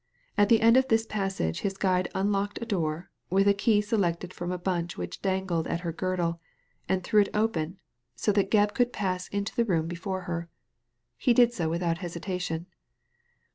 At the end of this passage his guide unlocked a door, with a key selected from a bunch which dangled at her girdle, and threw it open, so Digitized by Google KIRKSTONE HALL 95 that Gebb could pass into the room before her. He did so without hesitation.